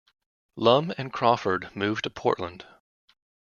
Lum and Crawford moved to Portland.